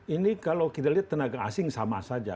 ini kalau kita lihat tenaga asing sama saja